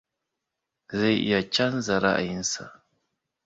Zai iya canza ra'ayinsa.